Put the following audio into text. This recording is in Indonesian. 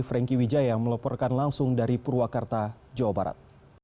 franky wijaya yang meleporkan langsung dari purwakarta jawa barat